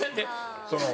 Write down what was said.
その。